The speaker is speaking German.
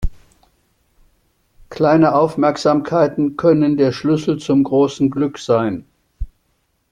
Kleine Aufmerksamkeiten können der Schlüssel zum großen Glück sein.